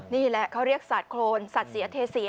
นี่แหละเขาเรียกสาดโครนสัตว์เสียเทเสีย